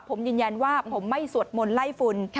ผมยืนยันว่าผมไม่สวดมนต์ไล่ฝุ่น